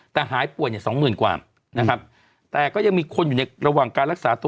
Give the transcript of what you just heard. แต่หายป่วยเนี่ยสองหมื่นกว่านะครับแต่ก็ยังมีคนอยู่ในระหว่างการรักษาตัว